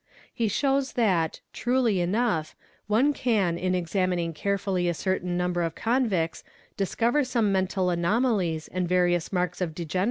He shows that, truly enough, one can in examining carefully a certain number of convicts discover some mental anomalies and various marks of degener